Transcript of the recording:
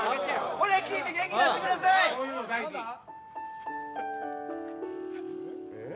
これ聴いて元気出してくださいそういうの大事えっ？